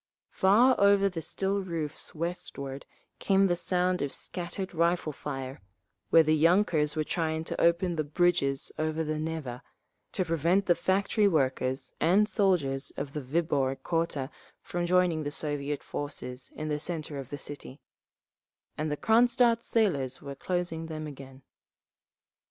Far over the still roofs westward came the sound of scattered rifle fire, where the yunkers were trying to open the bridges over the Neva, to prevent the factory workers and soldiers of the Viborg quarter from joining the Soviet forces in the centre of the city; and the Cronstadt sailors were closing them again….